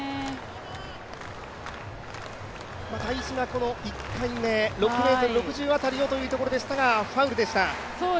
大事な１回目６ｍ６０辺りをということでしたが、ファウルでした。